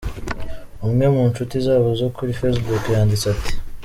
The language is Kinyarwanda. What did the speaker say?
Umwe mu nshuti zabo zo kuri Facebook, yanditse ati:.